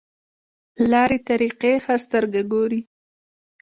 لارې طریقې ښه سترګه ګوري.